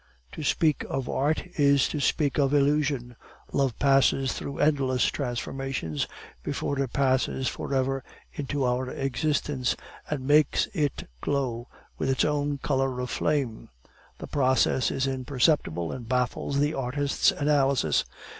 To speak of art, is to speak of illusion. Love passes through endless transformations before it passes for ever into our existence and makes it glow with its own color of flame. The process is imperceptible, and baffles the artist's analysis.